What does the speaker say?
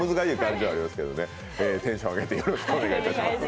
テンションを上げてよろしくお願いします。